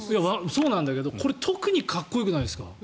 そうなんだけど、これ特にかっこよくないですか？